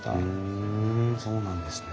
ふんそうなんですね。